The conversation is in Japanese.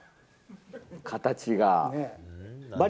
形が。